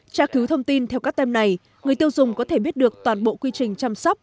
tra cứu thông tin theo các tem này người tiêu dùng có thể biết được toàn bộ quy trình chăm sóc